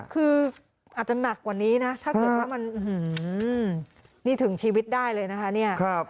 คืออาจจะหนักกว่านี้นะถ้าเกิดว่ามันนี่ถึงชีวิตได้เลยนะคะเนี่ย